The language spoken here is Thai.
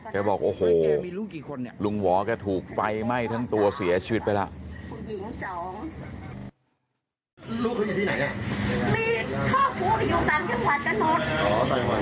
บอกโอ้โหลุงหวอแกถูกไฟไหม้ทั้งตัวเสียชีวิตไปแล้ว